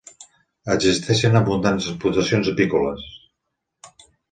Existixen abundants explotacions apícoles.